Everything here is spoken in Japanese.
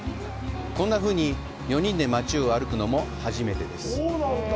こんなふうに４人で町を歩くのも初めてです。